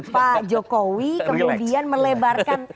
pak jokowi kemudian melebarkan